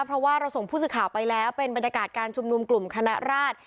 เพราะว่าเราส่งผู้สื่อข่าวไปแล้วเป็นบรรยากาศการชุมนุมกลุ่มคณะราช